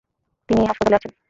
তিনি এই হাসপাতালে আছেন।